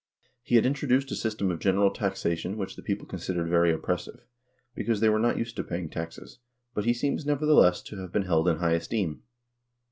He had introduced a system of general taxation which the people considered very oppressive, because they were not used to paying taxes, but he seems, nevertheless, to have been held in high esteem.